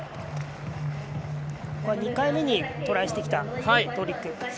２回目にトライしてきたトリック。